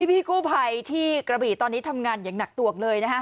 พี่กู้ภัยที่กระบี่ตอนนี้ทำงานอย่างหนักตวงเลยนะฮะ